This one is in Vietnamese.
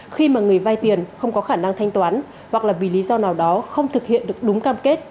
khi mà người vay tiền không có khả năng thanh toán hoặc là vì lý do nào đó không thực hiện được đúng cam kết